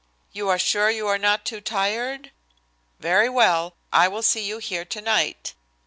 "You are sure you are not too tired? Very well. I will see you here tonight.